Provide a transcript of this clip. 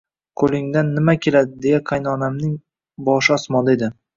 Qo`lingdan nima keladi, deya qaynonamning boshi osmonda edi